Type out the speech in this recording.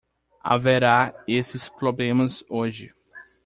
Haverá esses problemas hoje.